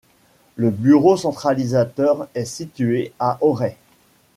Le bureau centralisateur est situé à Auray.